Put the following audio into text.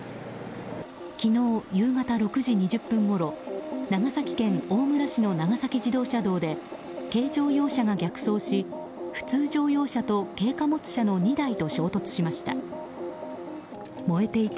昨日、夕方６時２０分ごろ長崎県大村市の長崎自動車道で軽乗用車が逆走し普通乗用車と軽貨物車の２台と衝突しました。